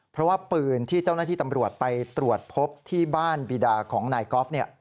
เพราะว่าปืนที่เจ้าหน้าที่ตำรวจไปตรวจพบที่บ้านบีดาของนายกอล์ฟ